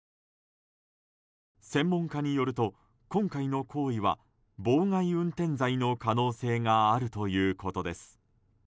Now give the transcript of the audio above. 専門家によると、今回の行為は妨害運転罪の可能性があるということです。